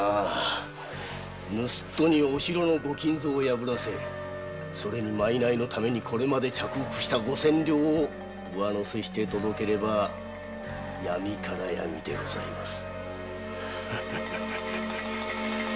盗っ人にお城の御金蔵を破らせそれに賂のために着服した五千両を上乗せして届ければ闇から闇でございます。